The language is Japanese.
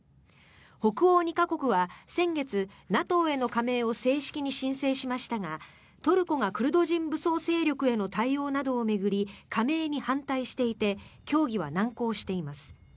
北欧２か国は先月ＮＡＴＯへの加盟を正式に申請しましたがトルコがクルド人武装勢力への対応などを巡り加盟に反対していて協議は難航しています。